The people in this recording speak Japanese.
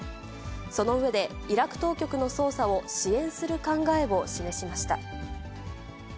その上で、イラク当局の捜査を支援する考えを示しました。